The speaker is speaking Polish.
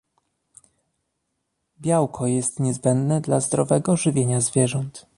Białko jest niezbędne dla zdrowego żywienia zwierząt